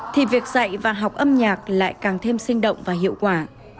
thì việc dạy và học âm nhạc lại càng thêm sinh động và hiệu quả